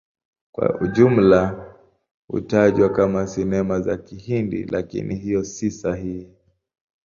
Kwa ujumla hutajwa kama Sinema za Kihindi, lakini hiyo si sahihi.